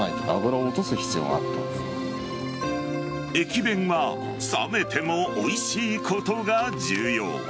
駅弁は冷めてもおいしいことが重要。